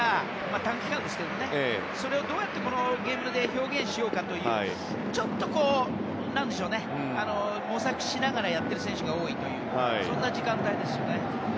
短期間ですけどもそれをどうこのゲームで表現しようかというちょっと、模索しながらやっている選手が多いというそんな時間帯ですよね。